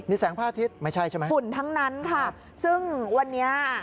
แสงพระอาทิตย์ไม่ใช่ใช่ไหมฝุ่นทั้งนั้นค่ะซึ่งวันนี้